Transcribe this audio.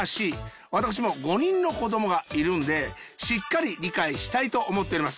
私も５人の子どもがいるんでしっかり理解したいと思っております。